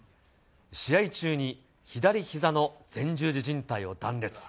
試合中に左ひざの前十字靭帯を断裂。